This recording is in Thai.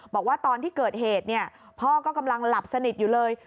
บอกว่าตอนที่เกิดเหตุพ่อก็กำลังหลับสนิทอยู่เลย